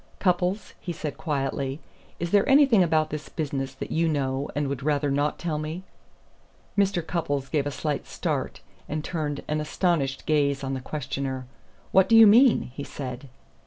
"Cupples," he said quietly, "is there anything about this business that you know and would rather not tell me?" Mr. Cupples gave a slight start, and turned an astonished gaze on the questioner. "What do you mean?" he said.